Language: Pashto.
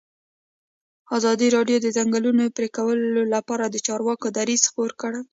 ازادي راډیو د د ځنګلونو پرېکول لپاره د چارواکو دریځ خپور کړی.